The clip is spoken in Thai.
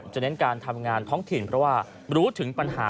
เน้นการทำงานท้องถิ่นเพราะว่ารู้ถึงปัญหา